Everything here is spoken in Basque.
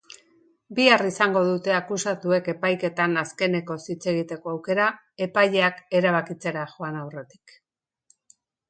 Bihar izango dute akusatuek epaiketan azkenekoz hitz egiteko aukera epaileak erabakitzera joan aurretik.